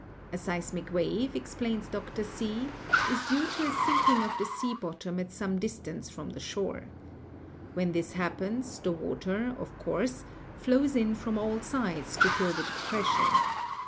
A seismic wave, explains Dr. See, is due to a sinking of the sea bottom at some distance from the shore. When io8 GEOLOGY this happens, the water, of course, flows in from all sides to fill in the depression.